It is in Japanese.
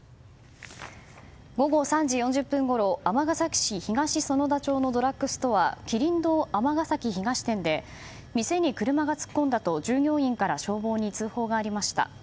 午後３時４０分ごろ尼崎市東園田町のドラッグストアキリン堂尼崎東店で店に車が突っ込んだと従業員から消防に通報がありました。